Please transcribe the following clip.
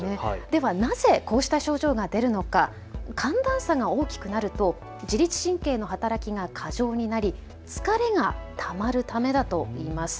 ではなぜこうした症状が出るのか、寒暖差が大きくなると自律神経の働きが過剰になり疲れがたまるためだといいます。